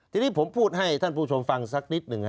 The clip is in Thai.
ทีนี้ผมพูดให้ท่านผู้ชมฟังสักนิดหนึ่ง